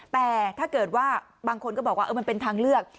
แต่ถ้าเกิดว่าบางคนก็บอกว่ามันเป็นทางเลือก